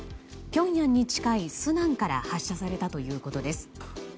ピョンヤンに近いスナンから発射されたということです。